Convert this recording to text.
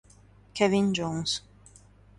Kevin Jones